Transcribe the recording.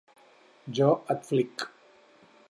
Jo et flic!